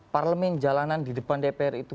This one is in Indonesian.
parlemen jalanan di depan dpr itu